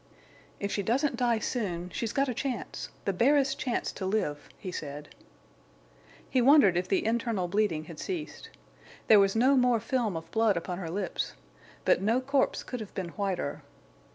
"If she doesn't die soon—she's got a chance—the barest chance to live," he said. He wondered if the internal bleeding had ceased. There was no more film of blood upon her lips. But no corpse could have been whiter.